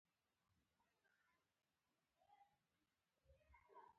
• بادام د وینې شکر کنټرولوي.